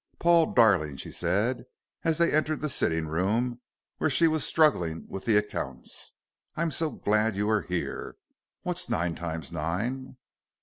"Paul, darling," she said, as they entered the sitting room, where she was struggling with the accounts, "I'm so glad you are here. What's nine times nine?"